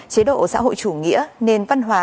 chế độ xã hội chủ nghĩa nền văn hóa